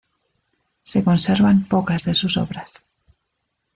Se conservan pocas de sus obras.